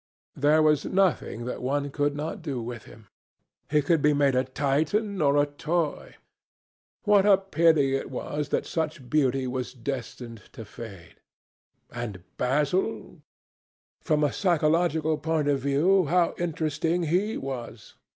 There was nothing that one could not do with him. He could be made a Titan or a toy. What a pity it was that such beauty was destined to fade! ... And Basil? From a psychological point of view, how interesting he was!